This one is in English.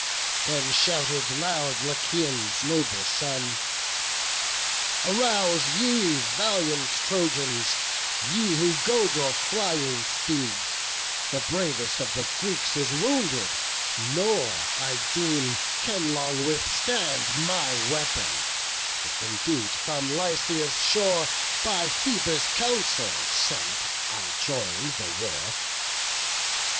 Then shouted loud Lycaon's noble son: "Arouse ye, valiant Trojans, ye who goad Your flying steeds; the bravest of the Greeks Is wounded, nor, I deem, can long withstand My weapon, if indeed from Lycia's shore By Phoebus' counsel sent I join'd the war."